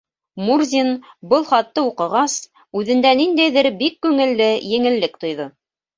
Мурзин, был хатты уҡығас, үҙендә ниндәйҙер бик күңелле еңеллек тойҙо.